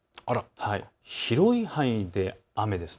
広い範囲で雨です。